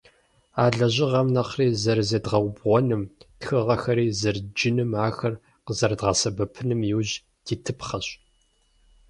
А лэжьыгъэм нэхъри зэрызедгъэубгъуным, тхыгъэхэри зэрыдджыным, ахэр къызэрыдгъэсэбэпыным иужь дитыпхъэщ.